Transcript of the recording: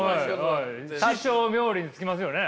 師匠冥利に尽きますよね。